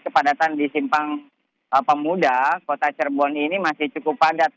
kepadatan di simpang pemuda kota cirebon ini masih cukup padat